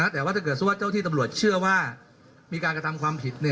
แต่ถ้าเจ้าที่ตำรวจเชื่อว่ามีการกระทำความผิด